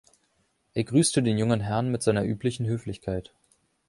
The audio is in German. Er grüßte den jungen Herrn mit seiner üblichen Höflichkeit.